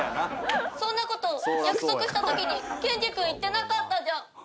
そんな事約束した時にケンジ君言ってなかったじゃん。